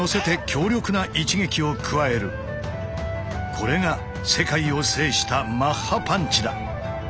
これが世界を制したマッハパンチだ。